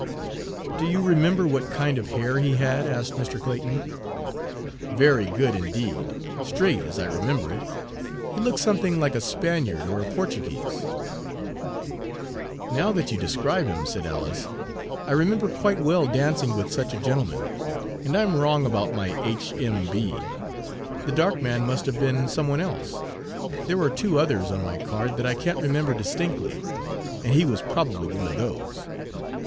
"Do you remember what kind of hair he had?" asked Mr. Clayton. "Very good indeed; straight, as I remember it. He looked something like a Spaniard or a Portuguese." Page 110 "Now that you describe him," said Alice, "I remember quite well dancing with such a gentleman; and I 'm wrong about my 'H. M. B.' The dark man must have been some one else; there are two others on my card that I can't remember distinctly, and he was probably one of those."